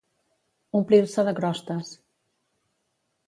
Omplir-se de crostes.